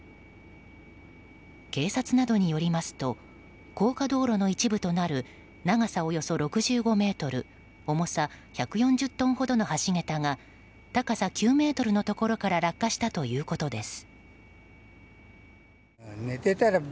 警察などによりますと高架道路の一部となる長さおよそ６５ｍ重さ１４０トンほどの橋桁が高さ９ｍのところから落下したということです。